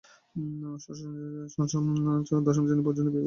ষষ্ঠ হতে দশম শ্রেণীর বিভাগে সুব্রত বিশ্বাস চ্যাম্পিয়ন, অনিতা চৌধুরী রানারআপ।